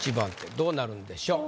どうなるんでしょう？